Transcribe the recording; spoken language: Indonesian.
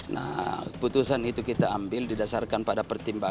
nah putusan itu kita ambil didasarkan pada pertimbangan